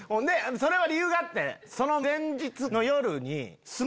それは理由があって。